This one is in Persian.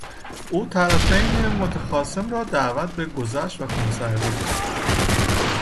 او طرفین متخاصم را دعوت به گذشت و خونسردی کرد.